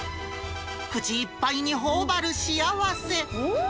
口いっぱいにほおばる幸せ。